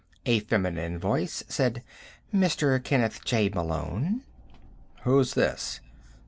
A feminine voice said: "Mr. Kenneth J. Malone?" "Who's this?"